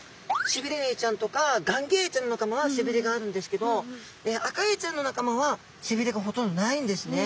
シビレエイちゃんとかガンギエイちゃんの仲間はせびれがあるんですけどアカエイちゃんの仲間はせびれがほとんどないんですね。